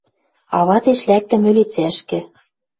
А вадеш лӓктӹм ӧлицӓшкӹ —